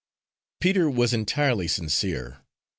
Peter was entirely sincere.